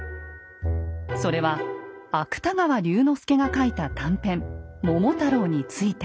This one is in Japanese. それは芥川龍之介が書いた短編「桃太郎」について。